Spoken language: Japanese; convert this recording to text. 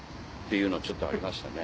ていうのちょっとありましたね。